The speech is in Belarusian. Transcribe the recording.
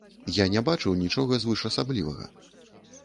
Я не бачыў нічога звышасаблівага.